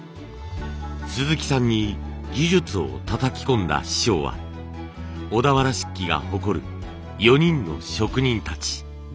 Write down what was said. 鈴木さんに技術をたたき込んだ師匠は小田原漆器が誇る４人の職人たち。